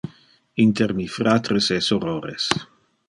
Inter mi fratres e sorores.